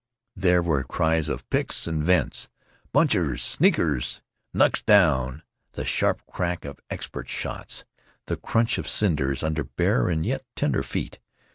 There were cries of, "Picks and vents!' "Bunehers!" " Sneakers !,: "Knucks down!' : the sharp crack of ex pert shots; the crunch of cinders under bare and yet tender feet.